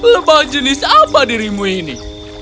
lebah jenis apa dirimu ini